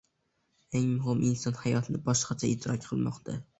Eng muhimi, inson hayotni boshqacha idrok qilmoqda.